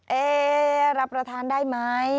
แอ้อะไรรับประทานได้ไหม